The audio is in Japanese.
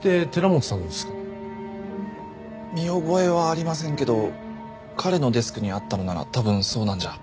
見覚えはありませんけど彼のデスクにあったのなら多分そうなんじゃ。